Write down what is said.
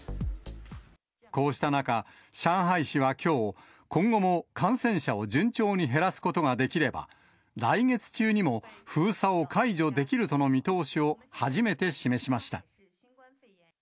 こうした中、上海市はきょう、今後も感染者を順調に減らすことができれば、来月中にも封鎖を解除できるとの見通しを初めて示しました。